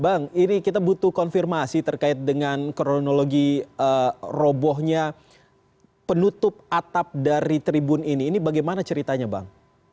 bang ini kita butuh konfirmasi terkait dengan kronologi robohnya penutup atap dari tribun ini ini bagaimana ceritanya bang